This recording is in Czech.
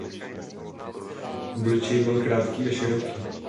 Obličej byl krátký a široký.